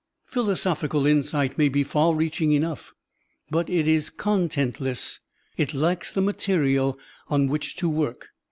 Philosophical insight may be far reaching enough, but it is contentless, it lacks the material on which to work.